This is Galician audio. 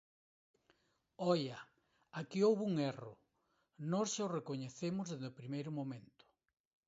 Oia, aquí houbo un erro, nós xa o recoñecemos desde o primeiro momento.